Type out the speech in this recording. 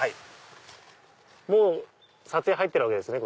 もう撮影入ってるわけですね？